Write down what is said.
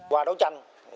qua đấu tranh